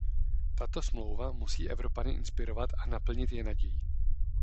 Tato smlouva musí Evropany inspirovat a naplnit je nadějí.